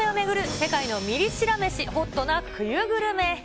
世界のミリ知ら飯・ホットな冬グルメ編。